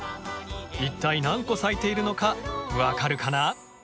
一体何個咲いているのか分かるかな？